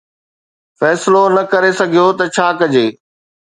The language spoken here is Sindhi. فيصلو نه ڪري سگهيو ته ڇا ڪجي.